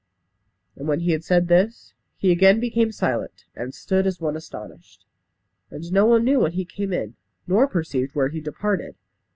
And when he had said this, he again became silent, and stood as one astonished. And no one knew when he came in, nor perceived when he departed.